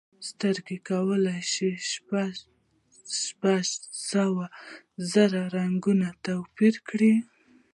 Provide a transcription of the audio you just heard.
سترګې کولی شي شپږ سوه زره رنګونه توپیر کړي.